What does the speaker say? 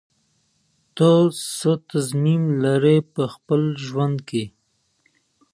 د کلتور د بدلون لپاره د علمي تحقیق پایلې کارول کیږي.